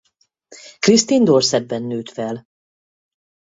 Kristin Dorsetben nőtt fel.